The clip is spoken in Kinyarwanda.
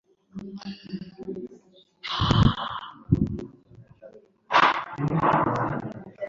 umugore ahera ko abyimba ikirenge bikabije